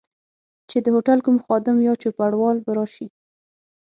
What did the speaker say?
چي د هوټل کوم خادم یا چوپړوال به راشي.